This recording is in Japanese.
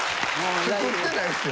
作ってないんすよ。